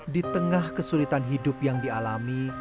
di tengah kesulitan hidup yang dialami